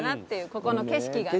ここの景色がね。